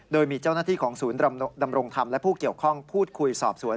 โดยมีเจ้าหน้าที่ของศูนย์ดำรงธรรมและผู้เกี่ยวข้องพูดคุยสอบสวน